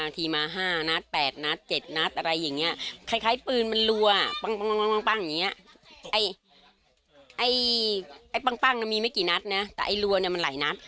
เยอะนะก็ประมาณทีมา๕นัด๘นัด๗นัดอะไรอย่างเงี้ยคล้ายปืนมันลัวปั้งอย่างเงี้ยไอ้ปั้งมีไม่กี่นัดนะแต่ไอ้ลัวมันหลายนัด